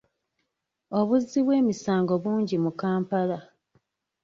Obuzzi bw'emisango bungi mu Kampala.